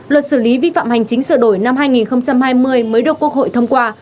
luật xử lý vi phạm hành chính sửa đổi năm hai nghìn hai mươi mới được quốc hội thông qua